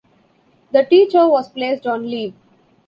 The teacher was placed on leave.